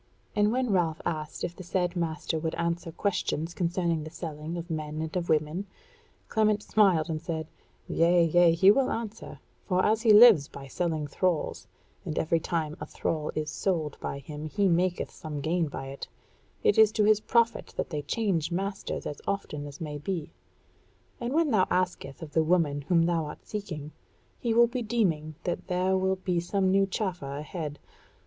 And when Ralph asked if the said master would answer questions concerning the selling of men and of women, Clement smiled and said: "Yea, yea, he will answer; for as he lives by selling thralls, and every time a thrall is sold by him he maketh some gain by it, it is to his profit that they change masters as often as may be; and when thou askest of the woman whom thou art seeking, he will be deeming that there will be some new chaffer ahead.